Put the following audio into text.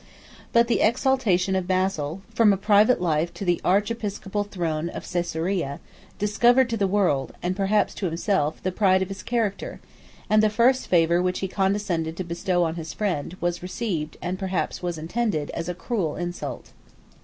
But the exaltation of Basil, from a private life to the archiepiscopal throne of Caesarea, discovered to the world, and perhaps to himself, the pride of his character; and the first favor which he condescended to bestow on his friend, was received, and perhaps was intended, as a cruel insult.